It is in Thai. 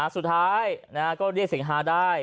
สุดท้ายเรียกเสียงฮาได้